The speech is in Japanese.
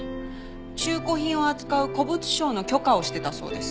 中古品を扱う古物商の許可をしてたそうです。